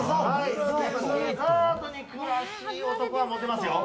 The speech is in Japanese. デザートに詳しい男はモテますよ。